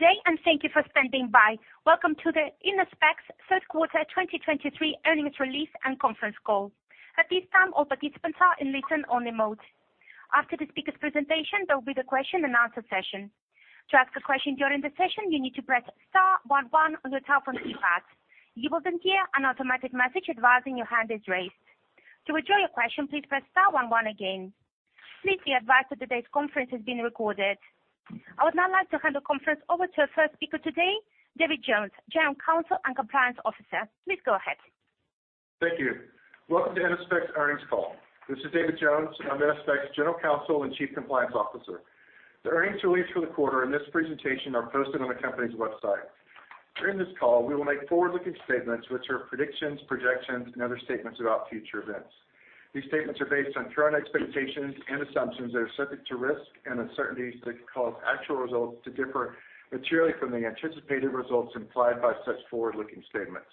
Good day, and thank you for standing by. Welcome to Innospec's third quarter 2023 earnings release and conference call. At this time, all participants are in listen-only mode. After the speaker's presentation, there will be the question-and-answer session. To ask a question during the session, you need to press star one one on your telephone keypad. You will then hear an automatic message advising your hand is raised. To withdraw your question, please press star one one again. Please be advised that today's conference is being recorded. I would now like to hand the conference over to our first speaker today, David Jones, General Counsel and Compliance Officer. Please go ahead. Thank you. Welcome to Innospec's earnings call. This is David Jones. I'm Innospec's General Counsel and Chief Compliance Officer. The earnings release for the quarter and this presentation are posted on the company's website. During this call, we will make forward-looking statements, which are predictions, projections, and other statements about future events. These statements are based on current expectations and assumptions that are subject to risk and uncertainties that could cause actual results to differ materially from the anticipated results implied by such forward-looking statements.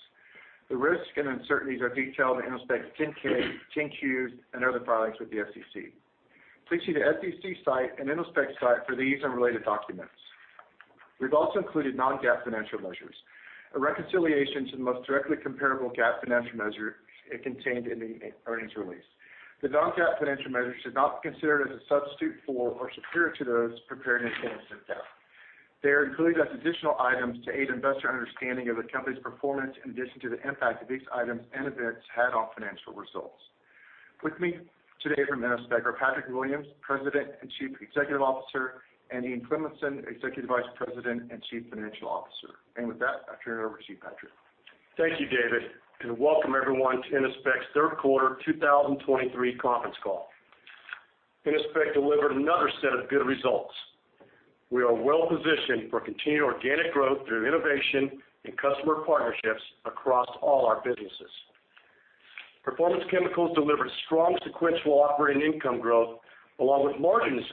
The risks and uncertainties are detailed in Innospec's 10-K, 10-Qs, and other filings with the SEC. Please see the SEC site and Innospec's site for these and related documents. We've also included non-GAAP financial measures. A reconciliation to the most directly comparable GAAP financial measure is contained in the earnings release. The non-GAAP financial measures should not be considered as a substitute for or superior to those prepared in accordance with GAAP. They are included as additional items to aid investor understanding of the company's performance, in addition to the impact that these items and events had on financial results. With me today from Innospec are Patrick Williams, President and Chief Executive Officer, and Ian Cleminson, Executive Vice President and Chief Financial Officer. With that, I turn it over to you, Patrick. Thank you, David, and welcome everyone to Innospec's third quarter 2023 conference call. Innospec delivered another set of good results. We are well positioned for continued organic growth through innovation and customer partnerships across all our businesses. Performance Chemicals delivered strong sequential operating income growth along with margins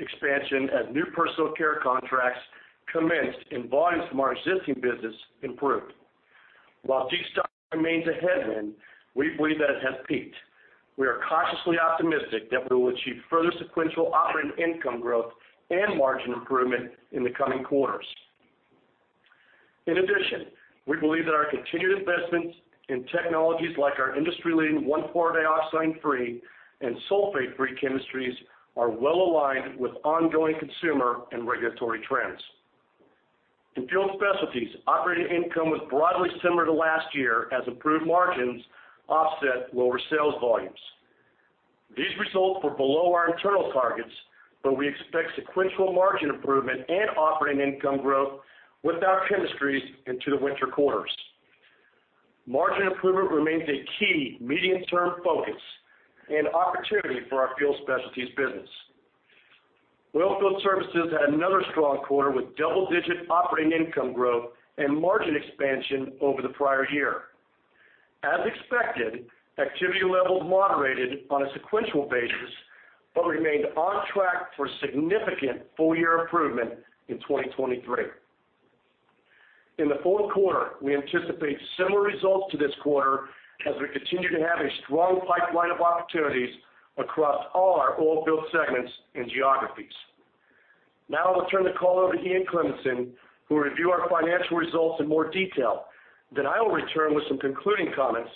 expansion as new personal care contracts commenced and volumes from our existing business improved. While destocking remains a headwind, we believe that it has peaked. We are cautiously optimistic that we will achieve further sequential operating income growth and margin improvement in the coming quarters. In addition, we believe that our continued investments in technologies like our industry-leading 1,4-dioxane-free and sulfate-free chemistries are well aligned with ongoing consumer and regulatory trends. In Fuel Specialties, operating income was broadly similar to last year as improved margins offset lower sales volumes. These results were below our internal targets, but we expect sequential margin improvement and operating income growth with our chemistries into the winter quarters. Margin improvement remains a key medium-term focus and opportunity for our Fuel Specialties business. Oilfield Services had another strong quarter with double-digit operating income growth and margin expansion over the prior year. As expected, activity levels moderated on a sequential basis, but remained on track for significant full-year improvement in 2023. In the fourth quarter, we anticipate similar results to this quarter as we continue to have a strong pipeline of opportunities across all our oilfield segments and geographies. Now I will turn the call over to Ian Cleminson, who will review our financial results in more detail. Then I will return with some concluding comments.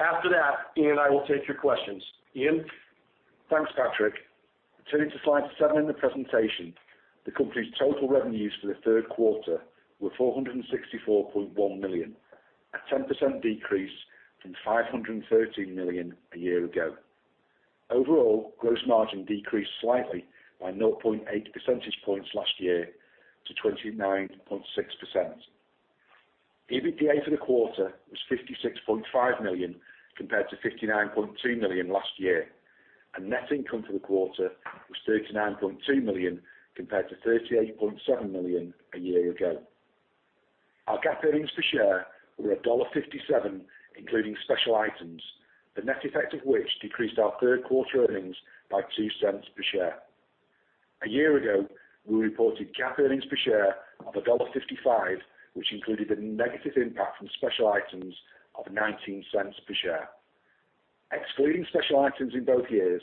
After that, Ian and I will take your questions. Ian? Thanks, Patrick. Turning to slide 7 in the presentation, the company's total revenues for the third quarter were $464.1 million, a 10% decrease from $513 million a year ago. Overall, gross margin decreased slightly by 0.8 percentage points last year to 29.6%. EBITDA for the quarter was $56.5 million, compared to $59.2 million last year, and net income for the quarter was $39.2 million, compared to $38.7 million a year ago. Our GAAP earnings per share were $1.57, including special items, the net effect of which decreased our third quarter earnings by $0.02 per share. A year ago, we reported GAAP earnings per share of $1.55, which included a negative impact from special items of $0.19 per share. Excluding special items in both years,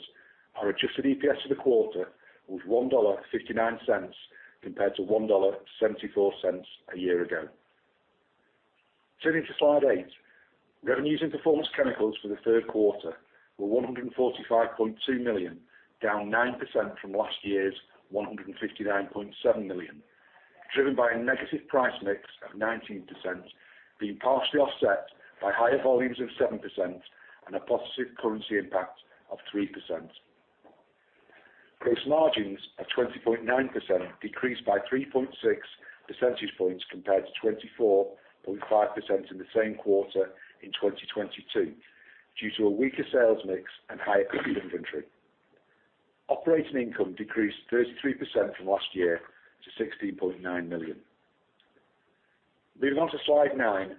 our adjusted EPS for the quarter was $1.59, compared to $1.74 a year ago. Turning to slide 8, revenues in Performance Chemicals for the third quarter were $145.2 million, down 9% from last year's $159.7 million, driven by a negative price mix of 19%, being partially offset by higher volumes of 7% and a positive currency impact of 3%. Gross margins of 20.9% decreased by 3.6 percentage points compared to 24.5% in the same quarter in 2022, due to a weaker sales mix and higher cost of inventory. Operating income decreased 33% from last year to $16.9 million. Moving on to slide 9.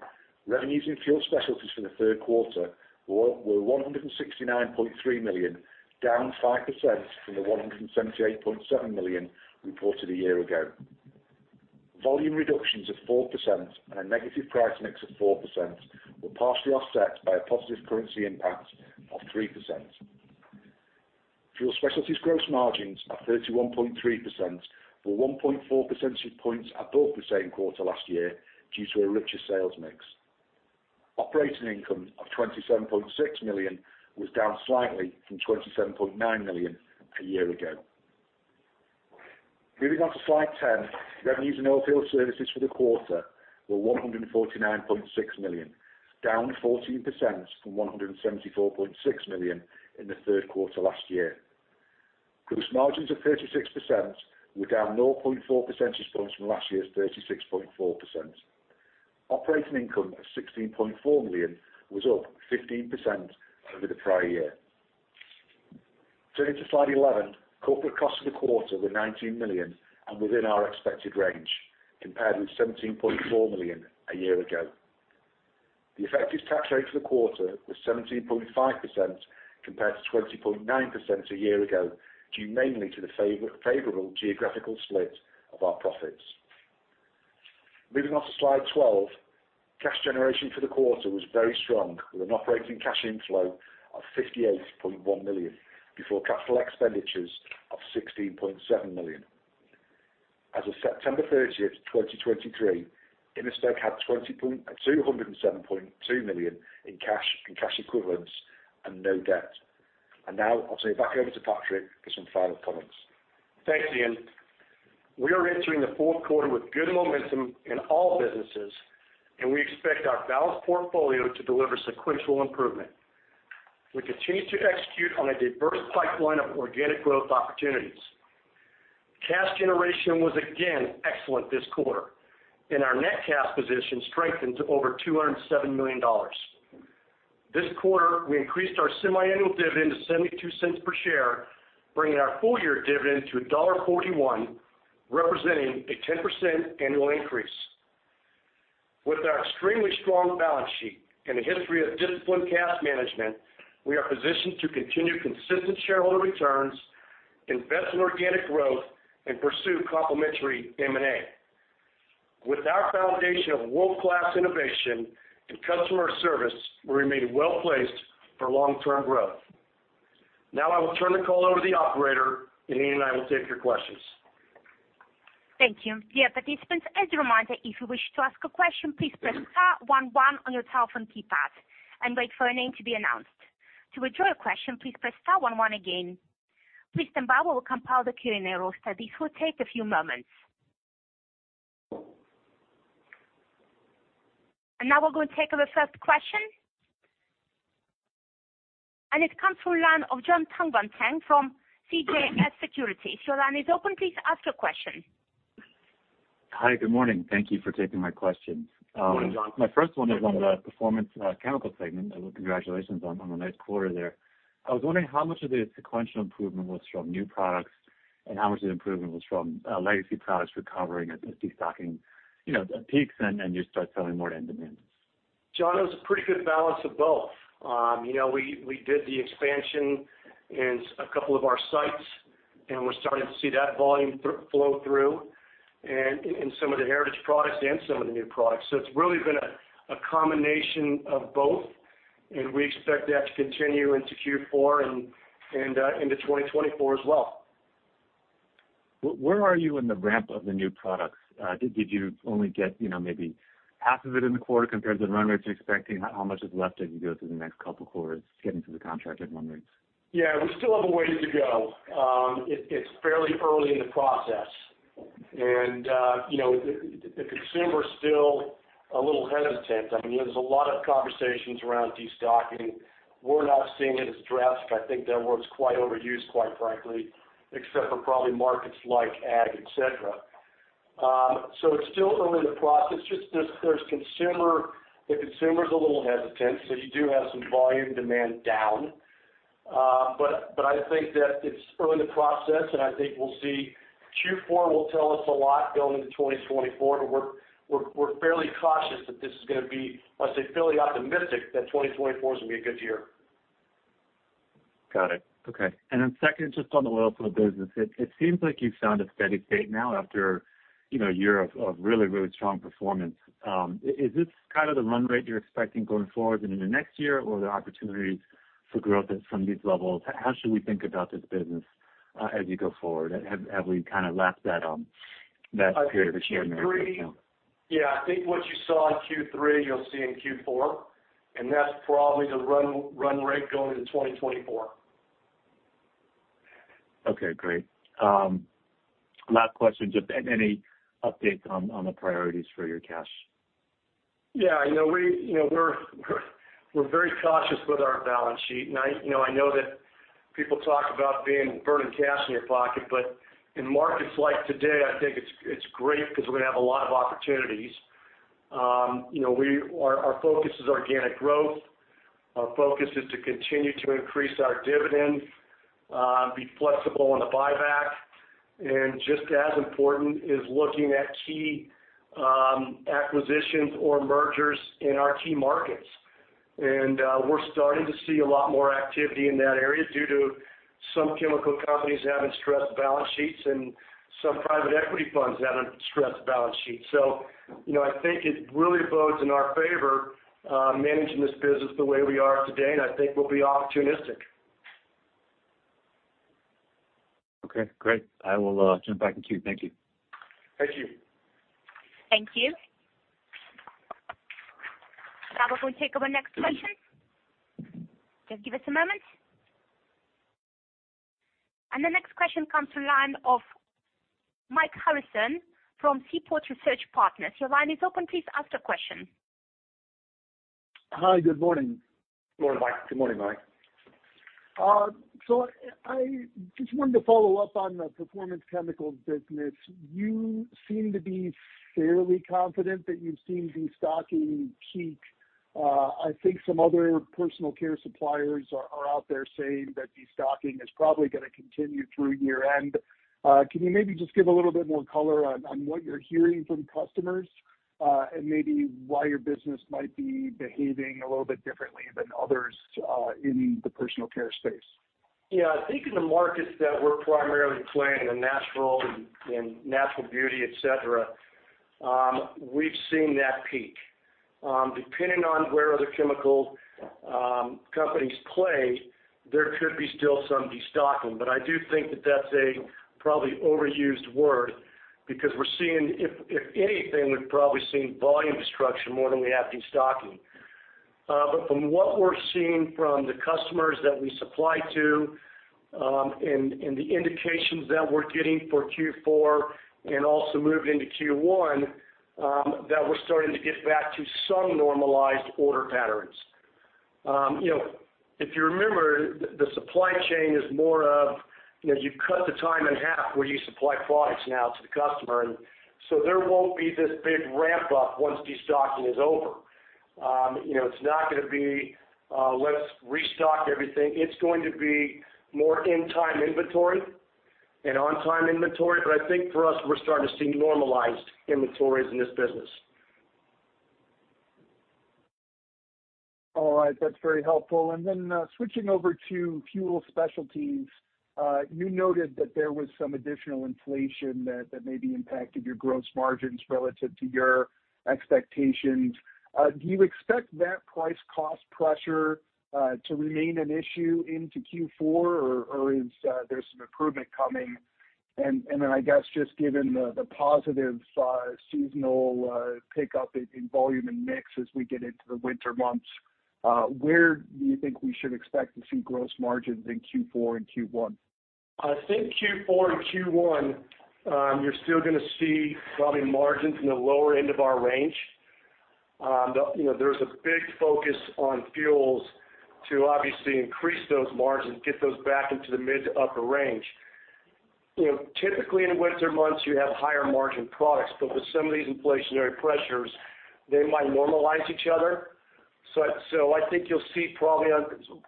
Revenues in Fuel Specialties for the third quarter were $169.3 million, down 5% from the $178.7 million reported a year ago. Volume reductions of 4% and a negative price mix of 4% were partially offset by a positive currency impact of 3%. Fuel Specialties gross margins are 31.3%, or 1.4 percentage points above the same quarter last year due to a richer sales mix. Operating income of $27.6 million was down slightly from $27.9 million a year ago. Moving on to slide 10, revenues in Oilfield Services for the quarter were $149.6 million, down 14% from $174.6 million in the third quarter last year. Gross margins of 36% were down 0.4 percentage points from last year's 36.4%. Operating income of $16.4 million was up 15% over the prior year. Turning to slide 11, corporate costs for the quarter were $19 million and within our expected range, compared with $17.4 million a year ago. The effective tax rate for the quarter was 17.5% compared to 20.9% a year ago, due mainly to the favorable geographical split of our profits. Moving on to slide 12, cash generation for the quarter was very strong, with an operating cash inflow of $58.1 million before capital expenditures of $16.7 million. As of September 30th, 2023, Innospec had $207.2 million in cash and cash equivalents and no debt. Now I'll turn it back over to Patrick for some final comments. Thanks, Ian. We are entering the fourth quarter with good momentum in all businesses, and we expect our balanced portfolio to deliver sequential improvement. We continue to execute on a diverse pipeline of organic growth opportunities. Cash generation was again excellent this quarter, and our net cash position strengthened to over $207 million. This quarter, we increased our semiannual dividend to $0.72 per share, bringing our full year dividend to $1.41, representing a 10% annual increase. With our extremely strong balance sheet and a history of disciplined cash management, we are positioned to continue consistent shareholder returns, invest in organic growth, and pursue complementary M&A. With our foundation of world-class innovation and customer service, we remain well placed for long-term growth. Now I will turn the call over to the operator, and Ian and I will take your questions. Thank you. Dear participants, as a reminder, if you wish to ask a question, please press star one one on your telephone keypad and wait for your name to be announced. To withdraw your question, please press star one one again. Please stand by while we compile the Q&A roster. This will take a few moments. Now we're going to take our first question. It comes from the line of Jon Tanwanteng from CJS Securities. Your line is open. Please ask your question. Hi, good morning. Thank you for taking my questions. Good morning, Jon. My first one is on the Performance Chemicals segment, and congratulations on a nice quarter there. I was wondering how much of the sequential improvement was from new products, and how much of the improvement was from legacy products recovering as destocking, you know, peaks and you start selling more to end demand? John, it was a pretty good balance of both. You know, we did the expansion in a couple of our sites, and we're starting to see that volume flow through in some of the heritage products and some of the new products. So it's really been a combination of both, and we expect that to continue into Q4 and into 2024 as well. Where are you in the ramp of the new products? Did you only get, you know, maybe half of it in the quarter compared to the run rates you're expecting? How much is left as you go through the next couple quarters getting to the contracted run rates? Yeah, we still have a way to go. It's fairly early in the process, and you know, the consumer is still a little hesitant. I mean, there's a lot of conversations around destocking. We're not seeing it as drastic. I think that word's quite overused, quite frankly, except for probably markets like ag, et cetera. So it's still early in the process. The consumer's a little hesitant, so you do have some volume demand down. But I think that it's early in the process, and I think we'll see Q4 will tell us a lot going into 2024, but we're fairly cautious that this is gonna be, I'd say, fairly optimistic that 2024 is gonna be a good year. Got it. Okay. And then second, just on the Oilfield business, it seems like you've found a steady state now after, you know, a year of really, really strong performance. Is this kind of the run rate you're expecting going forward and into next year, or are there opportunities for growth from these levels? How should we think about this business as you go forward? Have we kind of lapped that period of the year? Yeah, I think what you saw in Q3, you'll see in Q4, and that's probably the run rate going into 2024. Okay, great. Last question, just any updates on the priorities for your cash? Yeah, you know, we're very cautious with our balance sheet. And I, you know, I know that people talk about being burning cash in your pocket, but in markets like today, I think it's great because we have a lot of opportunities. You know, our focus is organic growth. Our focus is to continue to increase our dividend, be flexible on the buyback, and just as important is looking at key acquisitions or mergers in our key markets. And we're starting to see a lot more activity in that area due to some chemical companies having stressed balance sheets and some private equity funds having stressed balance sheets. So, you know, I think it really bodes in our favor, managing this business the way we are today, and I think we'll be opportunistic.... Okay, great. I will jump back in queue. Thank you. Thank you. Thank you. Now we're going to take our next question. Just give us a moment. The next question comes to the line of Mike Harrison from Seaport Research Partners. Your line is open. Please ask your question. Hi, good morning. Good morning, Mike. So I just wanted to follow up on the Performance Chemicals business. You seem to be fairly confident that you've seen destocking peak. I think some other personal care suppliers are out there saying that destocking is probably gonna continue through year-end. Can you maybe just give a little bit more color on what you're hearing from customers, and maybe why your business might be behaving a little bit differently than others in the personal care space? Yeah, I think in the markets that we're primarily playing in natural and, and natural beauty, et cetera, we've seen that peak. Depending on where other chemical companies play, there could be still some destocking, but I do think that that's a probably overused word because we're seeing, if, if anything, we've probably seen volume destruction more than we have destocking. But from what we're seeing from the customers that we supply to, and, and the indications that we're getting for Q4 and also moving into Q1, that we're starting to get back to some normalized order patterns. You know, if you remember, the supply chain is more of, you know, you cut the time in half where you supply products now to the customer, and so there won't be this big ramp-up once destocking is over. You know, it's not gonna be, let's restock everything. It's going to be more in-time inventory and on-time inventory, but I think for us, we're starting to see normalized inventories in this business. All right. That's very helpful. And then, switching over to Fuel Specialties, you noted that there was some additional inflation that, that maybe impacted your gross margins relative to your expectations. Do you expect that price cost pressure to remain an issue into Q4, or, or is, there's some improvement coming? And, and then I guess, just given the, the positive, seasonal, pickup in, in volume and mix as we get into the winter months, where do you think we should expect to see gross margins in Q4 and Q1? I think Q4 and Q1, you're still gonna see probably margins in the lower end of our range. You know, there's a big focus on fuels to obviously increase those margins, get those back into the mid to upper range. You know, typically in winter months, you have higher margin products, but with some of these inflationary pressures, they might normalize each other. So, so I think you'll see probably on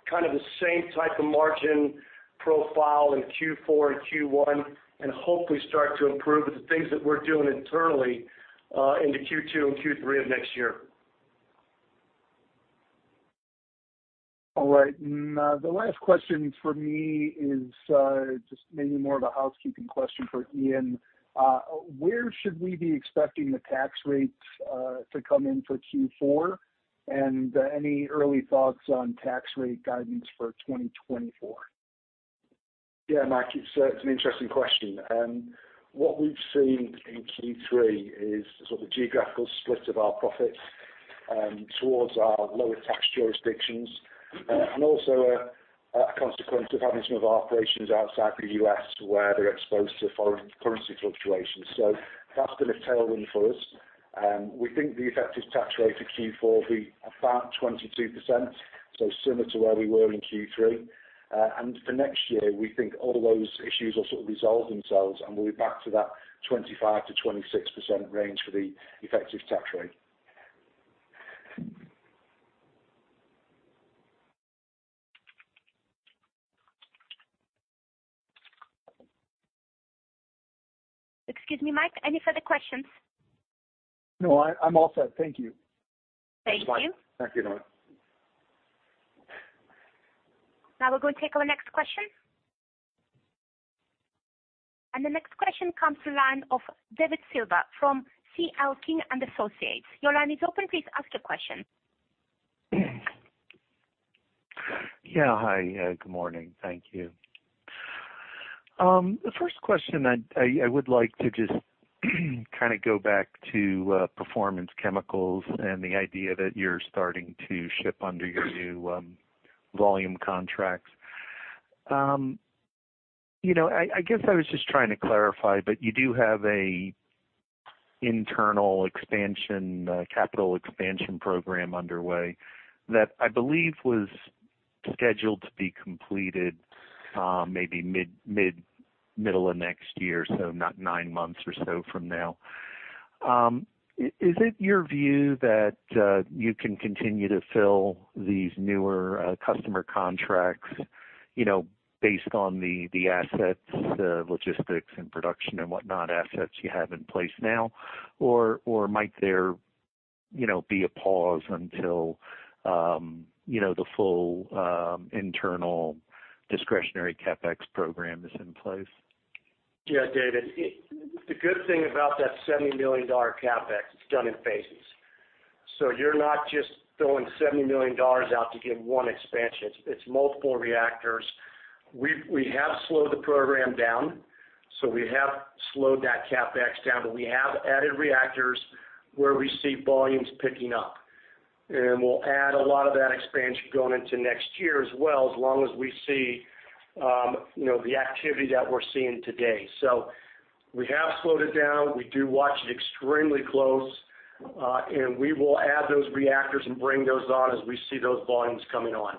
kind of the same type of margin profile in Q4 and Q1, and hopefully start to improve with the things that we're doing internally, into Q2 and Q3 of next year. All right. And, the last question for me is, just maybe more of a housekeeping question for Ian. Where should we be expecting the tax rates, to come in for Q4? And, any early thoughts on tax rate guidance for 2024? Yeah, Mike, it's, it's an interesting question. What we've seen in Q3 is sort of a geographical split of our profits towards our lower tax jurisdictions, and also a consequence of having some of our operations outside the U.S., where they're exposed to foreign currency fluctuations. So that's been a tailwind for us. We think the effective tax rate for Q4 will be about 22%, so similar to where we were in Q3. And for next year, we think all of those issues will sort of resolve themselves, and we'll be back to that 25%-26% range for the effective tax rate. Excuse me, Mike, any further questions? No, I'm all set. Thank you. Thank you. Thank you, Mike. Now we're going to take our next question. The next question comes to the line of David Silver from CL King and Associates. Your line is open. Please ask a question. Yeah. Hi, good morning. Thank you. The first question, I would like to just kind of go back to Performance Chemicals and the idea that you're starting to ship under your new volume contracts. You know, I guess I was just trying to clarify, but you do have an internal expansion capital expansion program underway that I believe was scheduled to be completed, maybe middle of next year, so not nine months or so from now. Is it your view that you can continue to fill these newer customer contracts, you know, based on the assets, the logistics and production and whatnot, assets you have in place now, or might there be a pause until the full internal discretionary CapEx program is in place? Yeah, David. The good thing about that $70 million CapEx, it's done in phases. So you're not just throwing $70 million out to get one expansion. It's multiple reactors. We have slowed the program down, so we have slowed that CapEx down, but we have added reactors where we see volumes picking up. And we'll add a lot of that expansion going into next year as well, as long as we see, you know, the activity that we're seeing today. So we have slowed it down. We do watch it extremely close, and we will add those reactors and bring those on as we see those volumes coming on.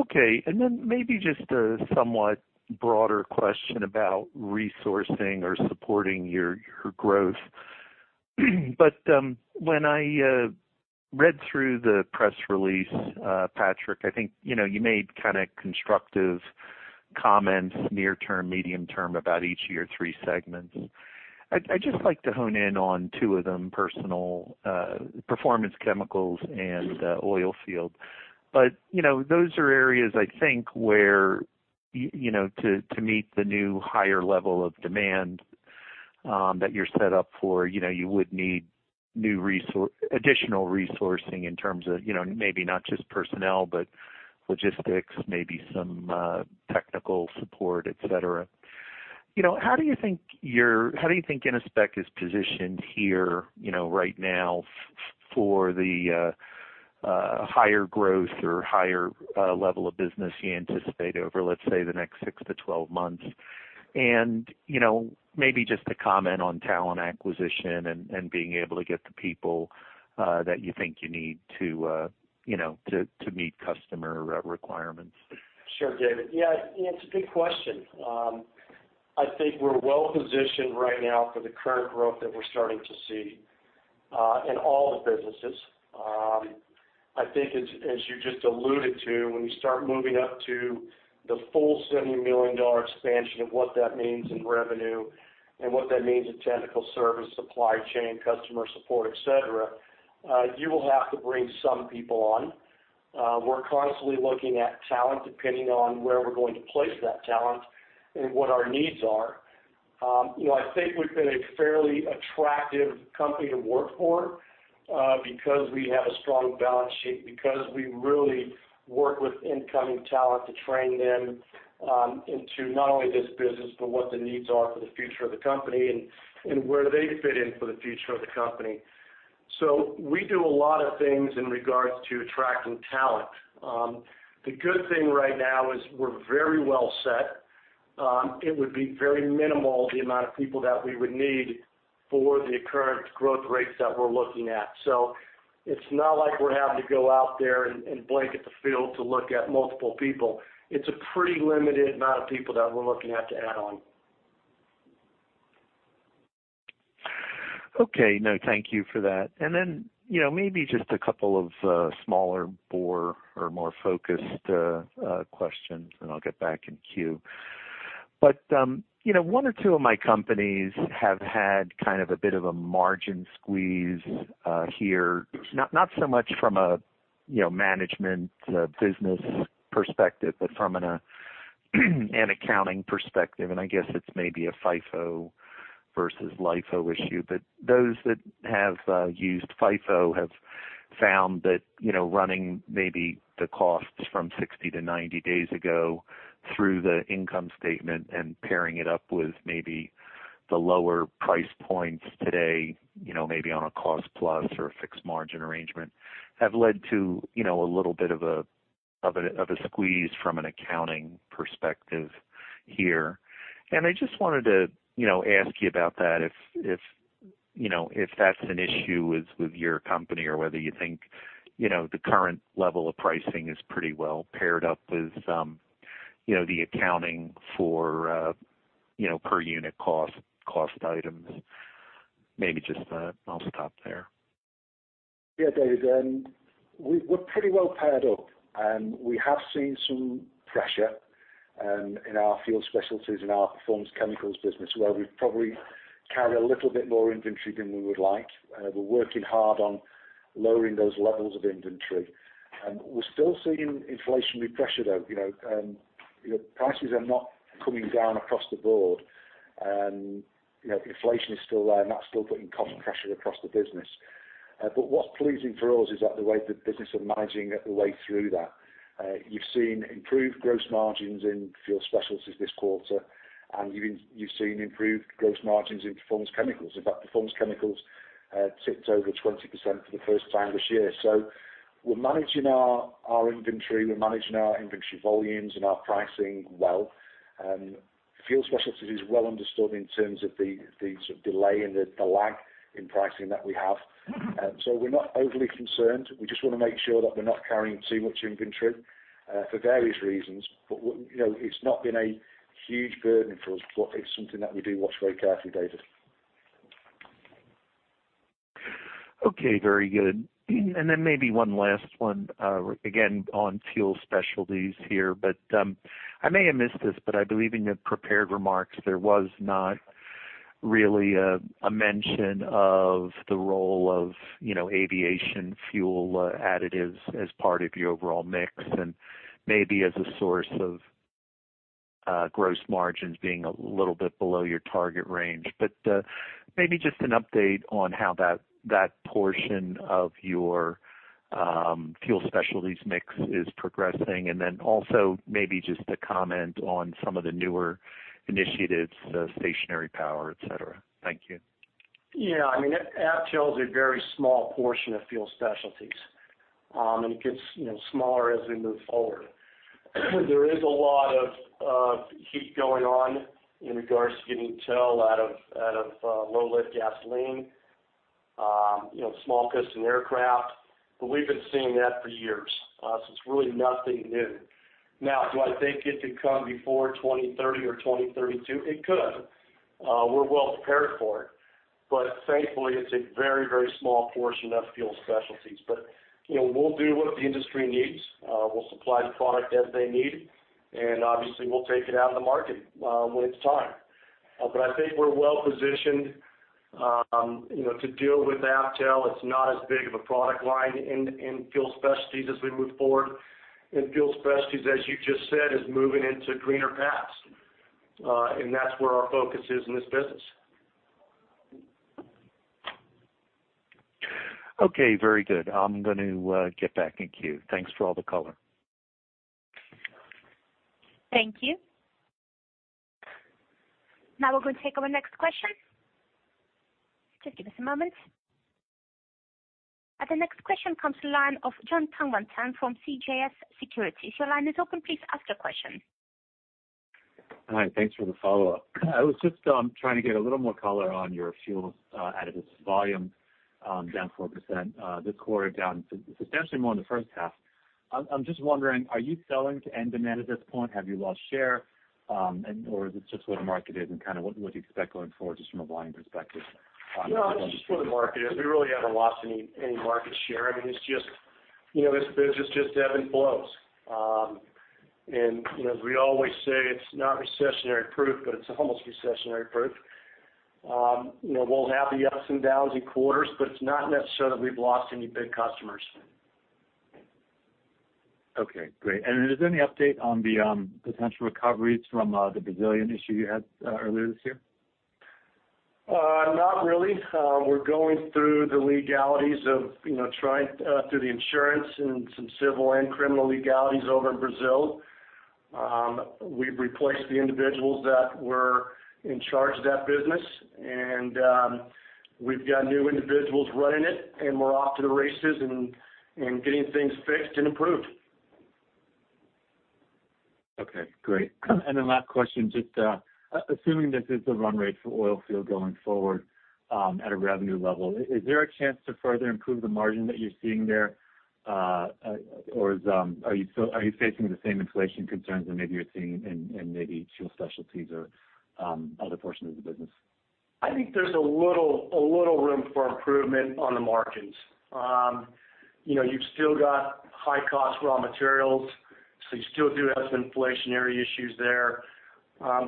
Okay, and then maybe just a somewhat broader question about resourcing or supporting your growth. But when I read through the press release, Patrick, I think, you know, you made kind of constructive comments, near term, medium term, about each of your three segments. I'd just like to hone in on two of them, Performance Chemicals and Oilfield. But, you know, those are areas I think where you know, to meet the new higher level of demand that you're set up for, you know, you would need additional resourcing in terms of, you know, maybe not just personnel, but logistics, maybe some technical support, et cetera. You know, how do you think Innospec is positioned here, you know, right now for the higher growth or higher level of business you anticipate over, let's say, the next six months-12 months? And, you know, maybe just to comment on talent acquisition and being able to get the people that you think you need to, you know, to meet customer requirements. Sure, David. Yeah, it's a good question. I think we're well positioned right now for the current growth that we're starting to see, in all the businesses. I think as, as you just alluded to, when you start moving up to the full $70 million expansion of what that means in revenue and what that means in technical service, supply chain, customer support, et cetera, you will have to bring some people on. We're constantly looking at talent, depending on where we're going to place that talent and what our needs are. You know, I think we've been a fairly attractive company to work for, because we have a strong balance sheet, because we really work with incoming talent to train them into not only this business, but what the needs are for the future of the company and, and where they fit in for the future of the company. So we do a lot of things in regards to attracting talent. The good thing right now is we're very well set. It would be very minimal, the amount of people that we would need for the current growth rates that we're looking at. So it's not like we're having to go out there and, and blanket the field to look at multiple people. It's a pretty limited amount of people that we're looking at to add on. Okay. No, thank you for that. And then, you know, maybe just a couple of smaller bore or more focused questions, and I'll get back in queue. But, you know, one or two of my companies have had kind of a bit of a margin squeeze here. Not so much from a, you know, management business perspective, but from an accounting perspective, and I guess it's maybe a FIFO versus LIFO issue. But those that have used FIFO have found that, you know, running maybe the costs from 60-90 days ago through the income statement and pairing it up with maybe the lower price points today, you know, maybe on a cost plus or a fixed margin arrangement, have led to, you know, a little bit of a squeeze from an accounting perspective here. I just wanted to, you know, ask you about that, if that's an issue with your company or whether you think, you know, the current level of pricing is pretty well paired up with, you know, the accounting for, you know, per unit cost, cost items. Maybe just, I'll stop there. Yeah, David, we're pretty well paired up. We have seen some pressure in our Fuel Specialties and our Performance Chemicals business, where we probably carry a little bit more inventory than we would like. We're working hard on lowering those levels of inventory. We're still seeing inflationary pressure, though, you know, prices are not coming down across the board. And, you know, inflation is still there, and that's still putting cost pressure across the business. But what's pleasing for us is that the way the business are managing the way through that. You've seen improved gross margins in Fuel Specialties this quarter, and you've seen improved gross margins in Performance Chemicals. In fact, Performance Chemicals tipped over 20% for the first time this year. We're managing our inventory volumes and our pricing well. Fuel Specialties is well understood in terms of the sort of delay and the lag in pricing that we have. We're not overly concerned. We just want to make sure that we're not carrying too much inventory for various reasons. But you know, it's not been a huge burden for us, but it's something that we do watch very carefully, David. Okay, very good. And then maybe one last one, again, on Fuel Specialties here. But, I may have missed this, but I believe in your prepared remarks, there was not really a mention of the role of, you know, aviation fuel additives as part of your overall mix and maybe as a source of gross margins being a little bit below your target range. But, maybe just an update on how that portion of your fuel specialties mix is progressing, and then also maybe just a comment on some of the newer initiatives, stationary power, et cetera. Thank you. Yeah, I mean, AvTel is a very small portion of Fuel Specialties, and it gets, you know, smaller as we move forward. There is a lot of heat going on in regards to getting TEL out of low-lead gasoline, you know, small piston aircraft, but we've been seeing that for years, so it's really nothing new. Now, do I think it could come before 2030 or 2032? It could. We're well prepared for it, but thankfully, it's a very, very small portion of Fuel Specialties. But, you know, we'll do what the industry needs. We'll supply the product as they need, and obviously, we'll take it out of the market when it's time. But I think we're well positioned, you know, to deal with AvTel. It's not as big of a product line in Fuel Specialties as we move forward. Fuel Specialties, as you just said, is moving into greener paths, and that's where our focus is in this business. Okay, very good. I'm going to get back in queue. Thanks for all the color. Thank you. Now we're going to take our next question. Just give us a moment. The next question comes to the line of Jonathan Tanwanteng from CJS Securities. Your line is open. Please ask your question. Hi, thanks for the follow-up. I was just trying to get a little more color on your fuels out of this volume down 4% this quarter, down substantially more in the first half. I'm just wondering, are you selling to end demand at this point? Have you lost share, and or is it just where the market is and kind of what you expect going forward just from a volume perspective? No, it's just where the market is. We really haven't lost any market share. I mean, it's just, you know, this business just ebb and flows. And, you know, as we always say, it's not recessionary proof, but it's almost recessionary proof. You know, we'll have the ups and downs in quarters, but it's not necessarily that we've lost any big customers. Okay, great. Is there any update on the potential recoveries from the Brazilian issue you had earlier this year? Not really. We're going through the legalities of, you know, trying through the insurance and some civil and criminal legalities over in Brazil. We've replaced the individuals that were in charge of that business, and we've got new individuals running it, and we're off to the races and getting things fixed and improved. Okay, great. And then last question, just assuming this is the run rate for Oilfield going forward, at a revenue level, is there a chance to further improve the margin that you're seeing there, or are you still facing the same inflation concerns that maybe you're seeing in maybe Fuel Specialties or other portions of the business? I think there's a little room for improvement on the margins. You know, you've still got high-cost raw materials, so you still do have some inflationary issues there.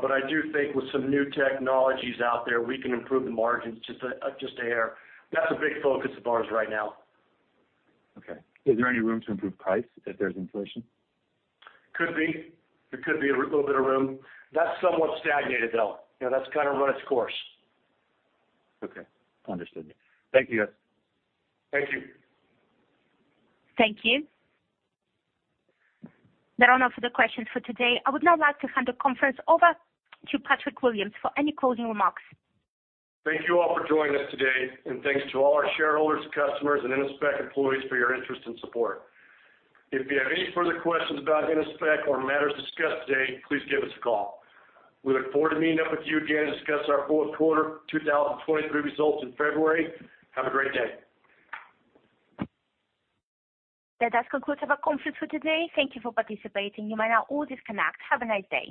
But I do think with some new technologies out there, we can improve the margins just a hair. That's a big focus of ours right now. Okay. Is there any room to improve price if there's inflation? Could be. There could be a little bit of room. That's somewhat stagnated, though. You know, that's kind of run its course. Okay, understood. Thank you, guys. Thank you. Thank you. There are no further questions for today. I would now like to hand the conference over to Patrick Williams for any closing remarks. Thank you all for joining us today, and thanks to all our shareholders, customers, and Innospec employees for your interest and support. If you have any further questions about Innospec or matters discussed today, please give us a call. We look forward to meeting up with you again to discuss our fourth quarter 2023 results in February. Have a great day. That does conclude our conference for today. Thank you for participating. You may now all disconnect. Have a nice day.